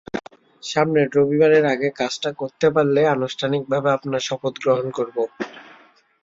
সামনের রবিবারের আগে কাজটা করতে পারলে আনুষ্ঠানিক ভাবে আপনার শপথ গ্রহণ করব।